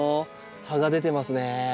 葉が出てますね。